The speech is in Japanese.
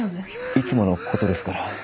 いつものことですから。